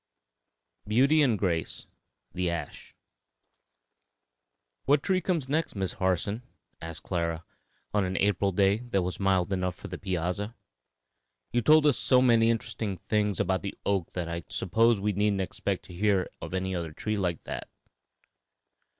BEAUTY AND GRACE: THE ASH. "What tree comes next, Miss Harson?" asked Clara, on an April day that was mild enough for the piazza. "You told us so many interesting things about the oak that I suppose we needn't expect to hear of another tree like that."